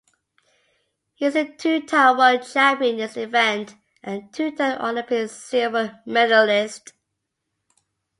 He is a two-time world champion in this event and two-time Olympic silver medallist.